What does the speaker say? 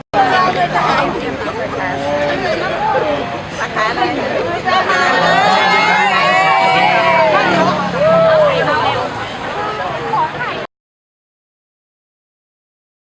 สวัสดีครับสวัสดีครับ